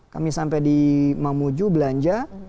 kami sampai di mamuju belanja